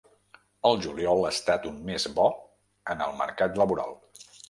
El juliol ha estat un mes bo en el mercat laboral.